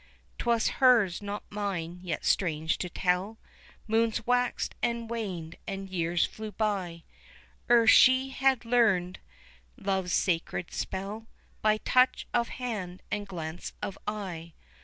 'Twas her's, not mine yet strange to tell Moons waxed and waned and years flew by, Ere she had learned love's sacred spell By touch of hand and glance of eye.